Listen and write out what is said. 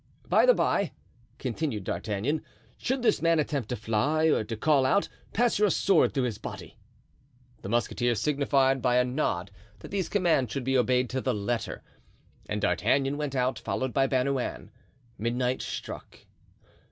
"By the bye," continued D'Artagnan, "should this man attempt to fly or to call out, pass your sword through his body." The musketeer signified by a nod that these commands should be obeyed to the letter, and D'Artagnan went out, followed by Bernouin. Midnight struck.